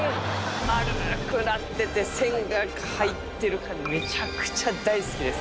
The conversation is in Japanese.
丸くなってて、線が入ってる感じ、めちゃくちゃ大好きです。